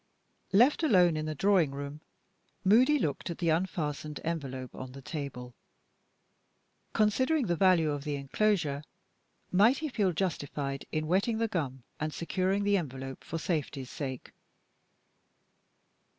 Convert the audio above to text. LEFT alone in the drawing room, Moody looked at the unfastened envelope on the table. Considering the value of the inclosure, might he feel justified in wetting the gum and securing the envelope for safety's sake?